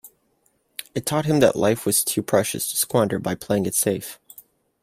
It taught him that life was too precious to squander by playing it safe.